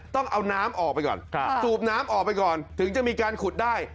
ต้องเอาน้ำออกไปก่อนสูบน้ำออกไปก่อนถึงจะมีการขุดได้